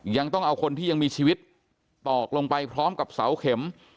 ยังต้องเอาคนที่ยังมีชีวิตตอกลงไปพร้อมกับเสาเข็ม